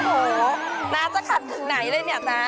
โอ้โฮน้าน้าจะขัดถึงไหนเลยนี่น้า